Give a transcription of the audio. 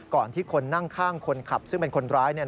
ที่คนนั่งข้างคนขับซึ่งเป็นคนร้ายเนี่ย